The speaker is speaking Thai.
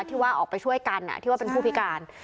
ที่ว่าออกไปช่วยกันที่ว่าเป็นผู้พิการ